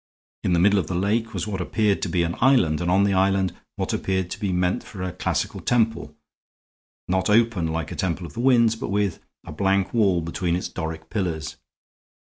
In the middle of the lake was what appeared to be an island, and on the island what appeared to be meant for a classical temple, not open like a temple of the winds, but with a blank wall between its Doric pillars.